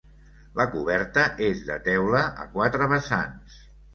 La coberta és de teula, a quatre vessants.